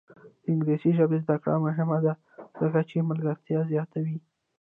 د انګلیسي ژبې زده کړه مهمه ده ځکه چې ملګرتیا زیاتوي.